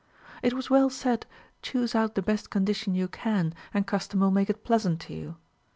It Avas well s;dd. Choose out the best condi tion you can, and custom will make it pleasant to you.